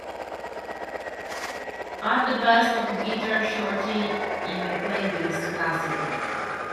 add the best of guitar shorty in my playlist clásica